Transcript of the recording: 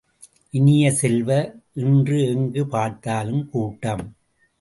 இனிய செல்வ, இன்று எங்கு பார்த்தாலும் கூட்டம்!